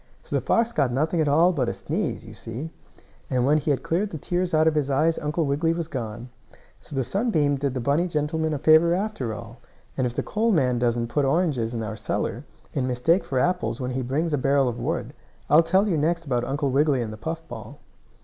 So the fox got nothing at all but a sneeze, you see, and when he had cleared the tears out of his eyes Uncle Wiggily was gone. So the sunbeam did the bunny gentleman a favor after all, and if the coal man doesn't put oranges in our cellar, in mistake for apples when he brings a barrel of wood, I'll tell you next about Uncle Wiggily and the puff ball.